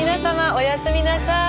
おやすみなさい。